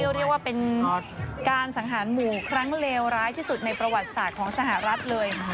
เรียกว่าเป็นการสังหารหมู่ครั้งเลวร้ายที่สุดในประวัติศาสตร์ของสหรัฐเลย